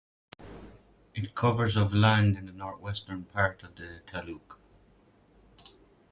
It covers of land in the northwestern part of the taluk.